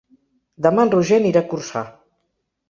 Demà en Roger anirà a Corçà.